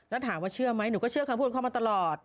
แล้วถามว่าเชื่อไหมหนูก็เชื่อคำพูดของเขามาตลอด